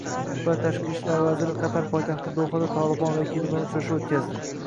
Xitoy tashqi ishlar vaziri Qatar poytaxti Dohada Tolibon vakili bilan uchrashuv o‘tkazdi